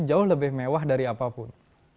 jauh lebih mewah dari apapun